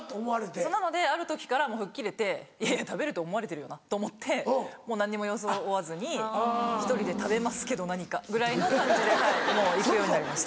そうなのである時からもう吹っ切れて食べると思われてるよなと思ってもう何にも装わずに１人で食べますけど何か？ぐらいの感じでもう行くようになりました。